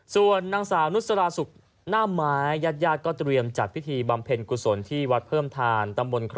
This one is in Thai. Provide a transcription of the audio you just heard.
ส่วนนางสาวนุษยาสุขนามไม้ยาดยาดก็เตรียมจากพิธีบำเพ็ญกุศลที่วัดเพิ่มทาน